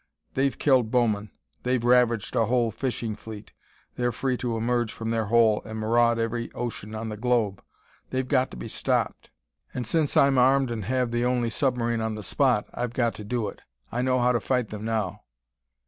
They've killed Bowman; they've ravaged a whole fishing fleet; they're free to emerge from their hole and maraud every ocean on the globe! They've got to be stopped! And since I'm armed and have the only submarine on the spot, I've got to do it! I know how to fight them now!"